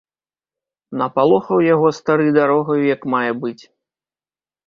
Напалохаў яго стары дарогаю як мае быць.